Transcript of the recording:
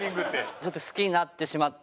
ちょっと好きになってしまって。